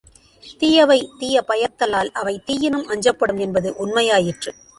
தீயவை தீய பயத்தலால் அவை தீயினும் அஞ்சப்படும் என்பது உண்மையாயிற்று.